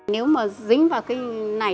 nếu mà dính vào cái này